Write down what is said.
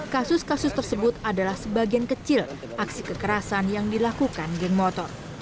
kasus kasus tersebut adalah sebagian kecil aksi kekerasan yang dilakukan geng motor